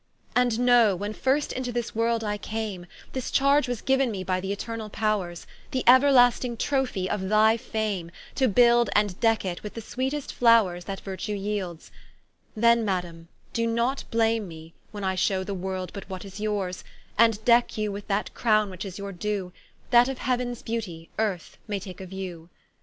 And knowe, when first into this world I came, This charge was giu'n me by th'Eternall powres, Th'euerlasting Trophie of thy fame, To build and decke it with the sweetest flowres That virtue yeelds; Then Madame, doe not blame Me, when I shew the World but what is yours, Ad decke you with that crowne which is your due, That of Heau'ns beauty Earth may take a view.